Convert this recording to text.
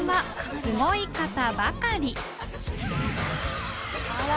すごい方ばかり水卜）